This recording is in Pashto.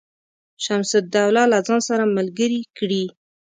شمس الدوله له ځان سره ملګري کړي.